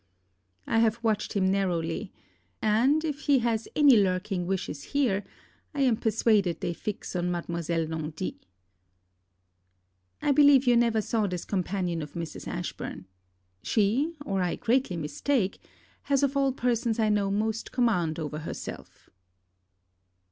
I have watched him narrowly; and, if he has any lurking wishes here, I am persuaded they fix on Mademoiselle Laundy. I believe you never saw this companion of Mrs. Ashburn. She, or I greatly mistake, has of all persons I know most command over herself.